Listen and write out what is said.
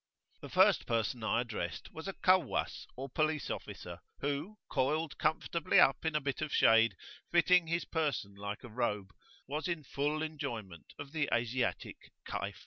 [FN#5] The first person I addressed was a Kawwas[FN#6] or police officer, who, coiled comfortably up in a bit of shade fitting his person like a robe, was in full enjoyment of the Asiatic "Kayf."